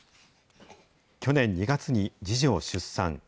去年２月に次女を出産。